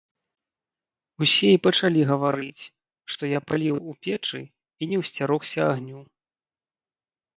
Усе і пачалі гаварыць, што я паліў у печы і не ўсцярогся агню.